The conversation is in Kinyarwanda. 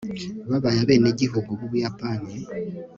babaye abenegihugu b'ubuyapani